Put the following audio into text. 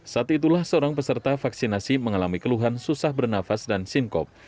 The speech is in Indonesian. saat itulah seorang peserta vaksinasi mengalami keluhan susah bernafas dan simkop